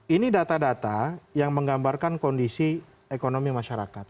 ini data data yang menggambarkan kondisi ekonomi masyarakat